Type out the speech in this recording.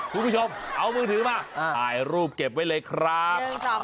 คุณผู้ชมเอามือถือมาถ่ายรูปเก็บไว้เลยครับ